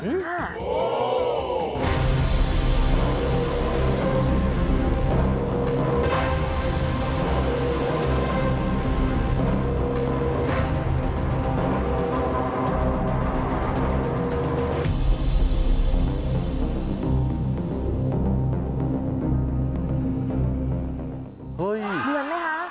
เหมือนไหมคะ